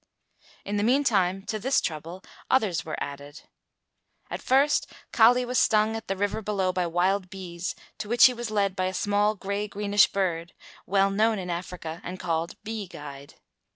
In the meantime to this trouble others were added. At first Kali was stung at the river below by wild bees to which he was led by a small gray greenish bird, well known in Africa and called bee guide.